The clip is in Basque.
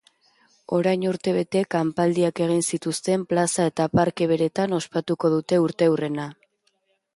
Orain urtebete kanpaldiak egin zituzten plaza eta parke beretan ospatuko dute urteurrena.